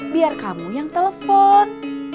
biar kamu yang telepon